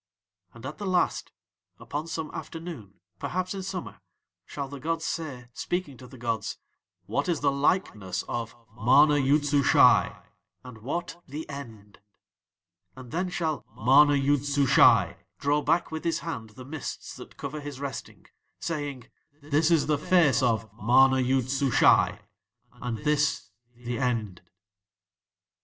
"'And at the Last, upon some afternoon, perhaps in summer, shall the gods say, speaking to the gods: "What is the likeness of MANA YOOD SUSHAI and what THE END?" "'And then shall MANA YOOD SUSHAI draw back with his hand the mists that cover his resting, saying: "This is the Face of MANA YOOD SUSHAI and this THE END."'"